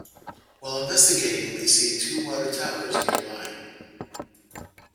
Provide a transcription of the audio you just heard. While investigating, they see two water towers nearby.